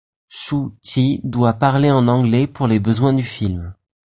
Shu Qi doit parler en anglais pour les besoins du film.